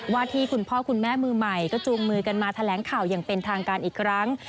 ที่คุณพ่อคุณแม่มือใหม่ก็จูงมือกันมาแถลงข่าวอย่างเป็นทางการอีกครั้ง